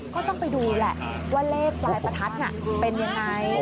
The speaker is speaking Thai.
ก็ต้องไปดูแหละว่าเลขปลายประทัดเป็นยังไง